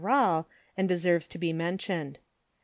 Rale, and deserves to be mentioned.